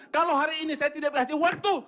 kalau hari ini saya tidak berhasil waktu